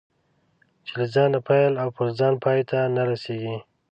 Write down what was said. چې له ځانه پیل او پر ځان پای ته نه رسېږي.